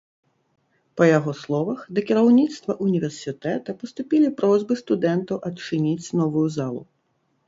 Па яго словах, да кіраўніцтва ўніверсітэта паступілі просьбы студэнтаў адчыніць новую залу.